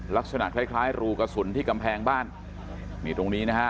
ลักษณะคล้ายคล้ายรูกระสุนที่กำแพงบ้านนี่ตรงนี้นะฮะ